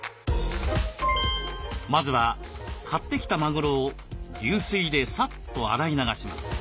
まずは買ってきたマグロを流水でさっと洗い流します。